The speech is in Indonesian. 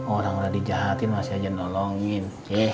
orang orang dijahatin masih aja nolongin